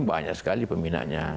banyak sekali peminatnya